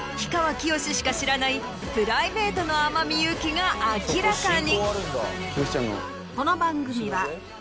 きよししか知らないプライベートの天海祐希が明らかに。